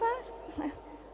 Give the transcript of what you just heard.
mau ikut boleh